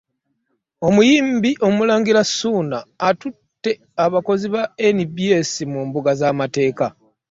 Omuyimbi Omulangira Suuna atuute abakozi ba nbs mu mbuga z'amateeka.